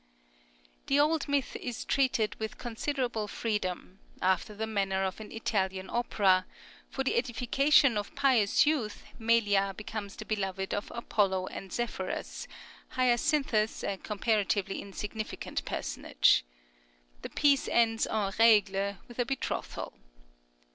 _ The old myth is treated with considerable freedom, after the manner of an Italian opera; for the edification of pious youth Melia becomes the beloved of Apollo and Zephyrus, Hyacinthus a comparatively insignificant personage. The piece ends en règle with a betrothal.